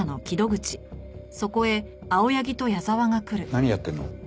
何やってんの？